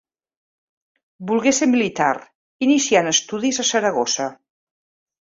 Volgué ser militar, iniciant estudis a Saragossa.